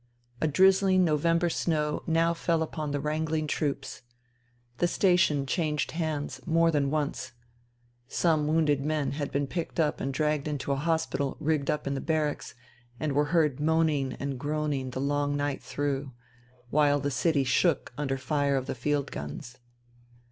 A drizzling November snow now fell upon the wrangling troops. The station changed hands more than once. Some wounded men had been picked up and dragged into a hospital rigged up in the barracks, and were heard moaning and groaning the long night through, while the city shook under fire of field guns.